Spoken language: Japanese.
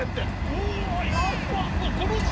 うわやっば！